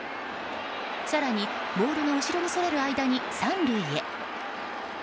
更に、ボールが後ろにそれる間に３塁へ。